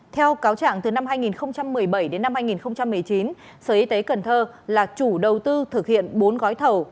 theo cáo trạng từ năm hai nghìn một mươi bảy đến năm hai nghìn một mươi chín sở y tế cần thơ là chủ đầu tư thực hiện bốn gói thầu